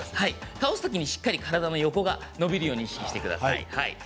倒すときにしっかり体の横が伸びるように意識してください。